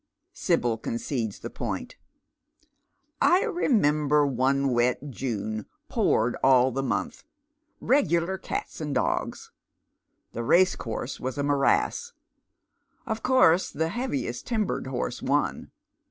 " Sibyl concedes the pouit. " I remember one wet June — poured all the month — regular cats and dogs. The racecourse v/as a morass ; of course the heaviest timbered horse won.